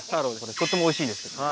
とってもおいしいです。